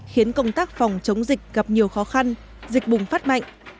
khiến công tác phòng chống dịch gặp nhiều khó khăn dịch bùng phát mạnh